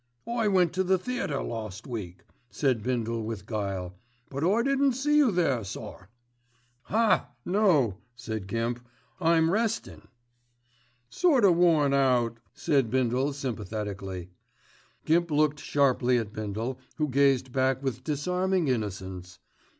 "I went to the theatre last week," said Bindle with guile, "but I didn't see you there, sir." "Haaa! no!" said Gimp, "I'm restin'." "Sort o' worn out," said Bindle sympathetically. Gimp looked sharply at Bindle, who gazed back with disarming innocence.